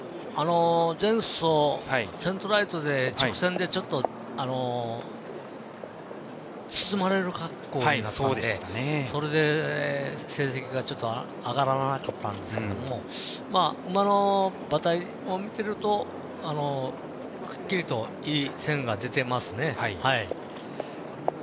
前走、セントライトで直線で、ちょっと包まれる格好になったので、それで成績が上がらなかったんですけども馬の馬体を見てるとくっきりといい線が出てますね。